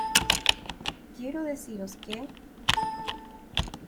Quiero deciros que...